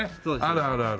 あるあるある。